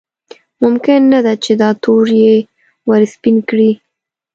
ممکن نه ده چې دا تور یې ورسپین کړي.